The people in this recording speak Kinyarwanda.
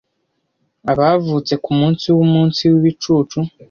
Abavutse kumunsi wumunsi wibicucu